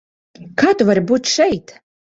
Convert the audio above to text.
Kā tu vari būt šeit?